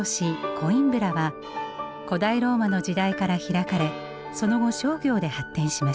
コインブラは古代ローマの時代から開かれその後商業で発展しました。